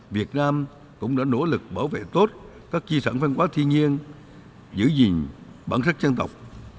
việt nam cũng đã nỗ lực bảo vệ tốt các chi sản văn hóa thiên nhiên giữ gìn bản sắc dân tộc